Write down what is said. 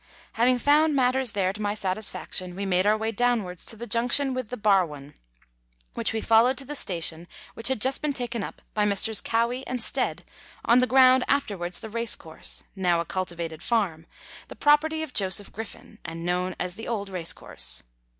Having found matters there to my satis faction, we made our way downwards to the junction with the Barwon, which we followed to the station which had just been taken up by Messrs. Cowie and Stead on the ground afterwards the racecourse, now a cultivated farm, the property of Joseph Griffin and known as the old racecourse.